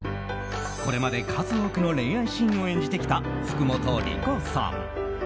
これまで数多くの恋愛シーンを演じてきた福本莉子さん。